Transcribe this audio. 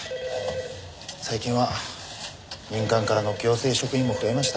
最近は民間からの行政職員も増えました。